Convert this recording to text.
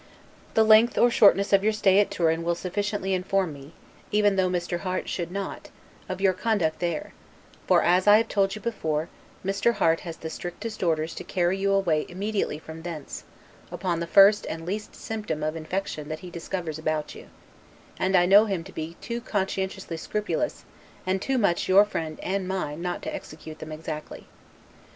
The length or shortness of your stay at Turin will sufficiently inform me (even though Mr. Harte should not) of your conduct there; for, as I have told you before, Mr. Harte has the strictest orders to carry you away immediately from thence, upon the first and least symptom of infection that he discovers about you; and I know him to be too conscientiously scrupulous, and too much your friend and mine not to execute them exactly.